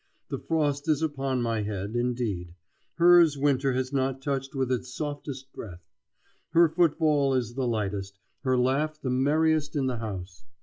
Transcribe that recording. The frost is upon my head, indeed; hers winter has not touched with its softest breath. Her footfall is the lightest, her laugh the merriest in the house.